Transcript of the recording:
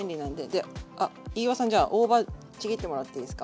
であ飯尾さんじゃあ大葉ちぎってもらっていいですか？